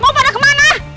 mau pada kemana